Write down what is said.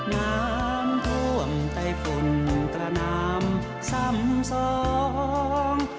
น้ำท่วมใต้ฝุ่นตระนามซ้ำสอง